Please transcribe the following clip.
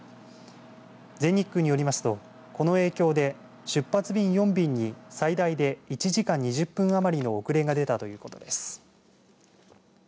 全日空によりますと、この影響で出発便４便に最大で１時間２０分余りの遅れが出たということです。